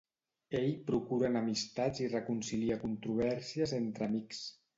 Ell procura enemistats i reconcilia controvèrsies entre amics.